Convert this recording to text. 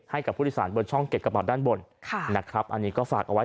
ให้กับผู้โดยสารบนช่องเก็บกระเป๋าด้านบนค่ะนะครับอันนี้ก็ฝากเอาไว้